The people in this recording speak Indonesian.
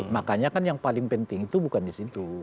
makanya kan yang paling penting itu bukan di situ